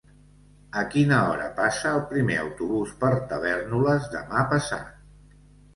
A quina hora passa el primer autobús per Tavèrnoles demà passat?